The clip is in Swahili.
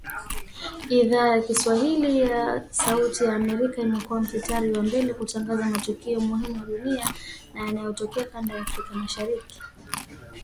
idhaa ya kiswahili ya sauti ya Amerika imekua mstari wa mbele kutangaza matukio muhimu ya dunia na yanayotokea kanda ya Afrika Mashariki